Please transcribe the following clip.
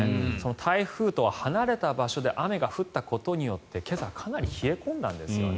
台風とは離れた場所で雨が降ったことによって今朝かなり冷え込んだんですよね。